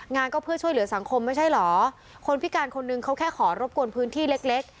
งานก็เพื่อช่วยเหลือสังคมไม่ใช่เหรอคนพิการคนนึงเขาแค่ขอรบกวนพื้นที่เล็กเล็ก